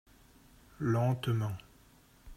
Lentement.